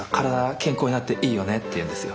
健康になっていいよね」って言うんですよ。